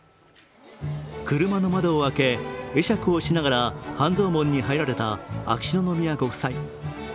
車の窓を開け、会釈をしながら半蔵門に入られた秋篠宮ご夫妻。